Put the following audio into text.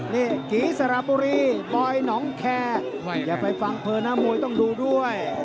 นี่กีสระบุรีบอยหนองแคร์อย่าไปฟังเพอร์น้ำมวยต้องดูด้วย